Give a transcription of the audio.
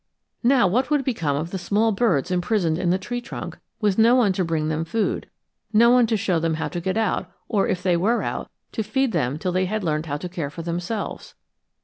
Now what would become of the small birds imprisoned in the tree trunk, with no one to bring them food, no one to show them how to get out, or, if they were out, to feed them till they had learned how to care for themselves?